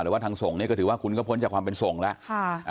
ว่าทางส่งนี่ก็ถือว่าคุณก็พ้นจากความเป็นส่งแล้ว